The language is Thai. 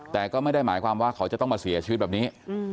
แต่ก็ไม่ได้หมายความว่าเขาจะต้องมาเสียชีวิตแบบนี้